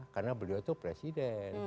karena beliau itu presiden